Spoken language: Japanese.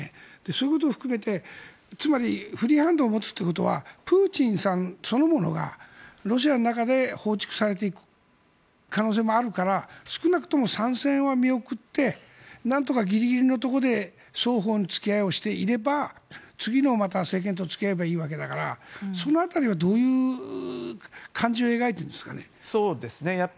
そういうことを含めてつまり、フリーハンドを持つということはプーチンさんそのものがロシアの中で放逐されていく可能性もあるから少なくとも参戦は見送って何とかギリギリのところで双方の付き合いをしていれば次の政権と付き合えばいいわけだからその辺りはどういう感じを描いているんですかね。